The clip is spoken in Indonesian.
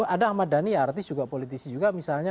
ada ahmad dhani artis juga politisi juga misalnya